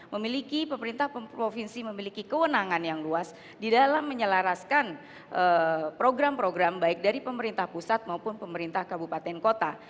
memiliki pemerintah provinsi memiliki kewenangan yang luas di dalam menyelaraskan program program baik dari pemerintah pusat maupun pemerintah kabupaten kota